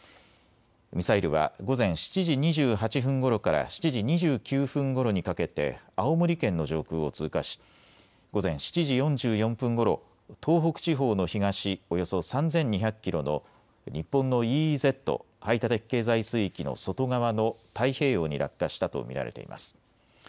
ミサイルは午前７時２８分ごろから７時２９分ごろにかけて青森県の上空を通過し午前７時４４分ごろ東北地方の東およそ３２００キロの日本のＥＥＺ・排他的経済水域の外側の太平洋に落下したと見られています。